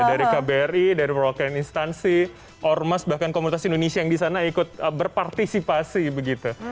dari kbri dari perwakilan instansi ormas bahkan komunitas indonesia yang di sana ikut berpartisipasi begitu